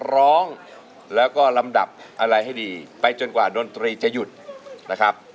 ร้องแล้วก็ลำดับอะไรให้ดีไปจนกว่าดนตรีจะหยุดนะครับ